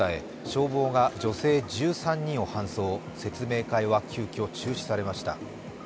消防が女性１３人を搬送、説明会は急きょ、中止されました。